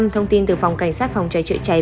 thông tin từ phòng cảnh sát phòng cháy chữa cháy